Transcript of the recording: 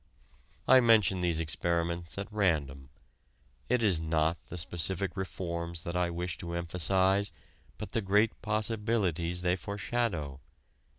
I mention these experiments at random. It is not the specific reforms that I wish to emphasize but the great possibilities they foreshadow.